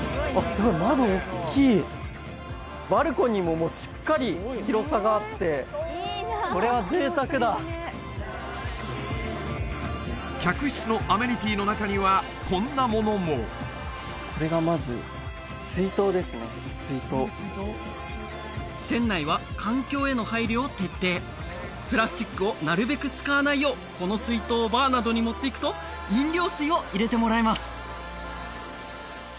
すごい窓おっきいバルコニーももうしっかり広さがあって客室のアメニティーの中にはこんなものも水筒船内は環境への配慮を徹底プラスチックをなるべく使わないようこの水筒をバーなどに持っていくと飲料水を入れてもらえます